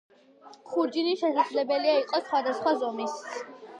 ხურჯინი შესაძლებელია იყოს სხვადასხვა ზომის.